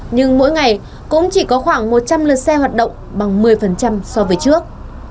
nhưng mỗi ngày cũng chỉ có khoảng một trăm linh lượt xe hoạt động bằng một mươi so với trước